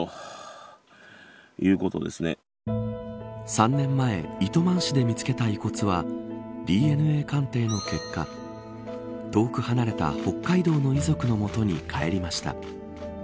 ３年前糸満市で見つけた遺骨はＤＮＡ鑑定の結果遠く離れた北海道の遺族の元に帰りました。